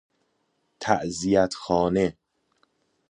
تعزیت خانه